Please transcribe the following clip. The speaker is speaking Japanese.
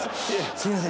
すみません